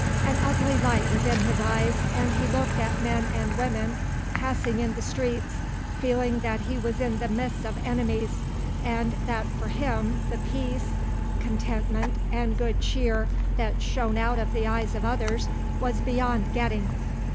An ugly light was in his eyes and he looked at men and women passing in the streets, feeling that he was in the midst of enemies, and that for him the peace, contentment, and good cheer that shone out of the eyes of others was beyond getting.